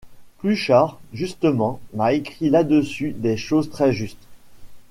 Pluchart, justement, m’a écrit là-dessus des choses très justes.